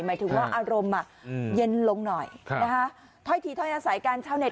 หมายถึงว่าอารมณ์อ่ะเย็นลงหน่อยนะคะถ้อยทีถ้อยอาศัยกันชาวเต็